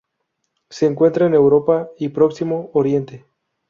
Se encuentra en Europa y Próximo Oriente.